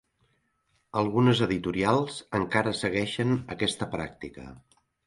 Algunes editorials encara segueixen aquesta pràctica.